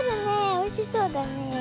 おいしそうだねえ。